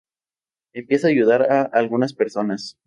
Empieza a ayudar a algunas personas.